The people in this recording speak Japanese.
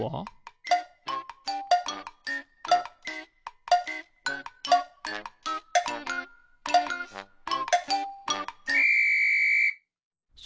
ピッ！